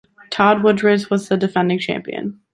Todd Woodbridge was the defending champion.